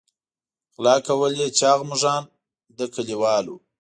غلا کول یې چاغ مږان له کلیوالو.